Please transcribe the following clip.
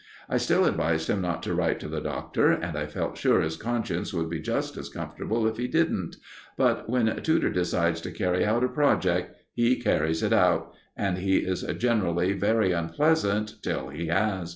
I still advised him not to write to the Doctor, and felt sure his conscience would be just as comfortable if he didn't; but when Tudor decides to carry out a project, he carries it out, and he is generally very unpleasant till he has.